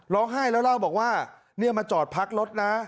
แล้วเล่าบอกว่ามาจอดพักรถนะ